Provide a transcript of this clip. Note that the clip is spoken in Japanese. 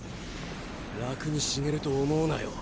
楽に死ねると思うなよ